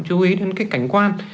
chú ý đến cái cảnh quan